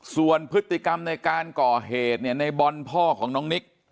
ส่วนพฤติกรรมในการก่อเหตุเนี่ยในบอลพ่อของน้องนิก